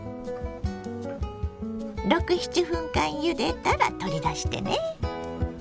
６７分間ゆでたら取り出してね。